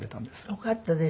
よかったですよね